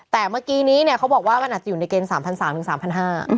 แต่เมื่อกี้นี้เนี่ยเขาบอกว่ามันอาจจะอยู่ในเกณฑ์สามพันสามถึงสามสามพันห้า